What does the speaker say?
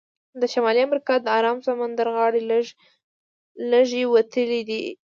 د شمالي امریکا د ارام سمندر غاړې لږې وتلې دي.